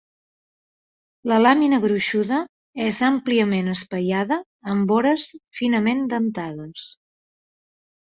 La làmina gruixuda és àmpliament espaiada amb vores finament dentades.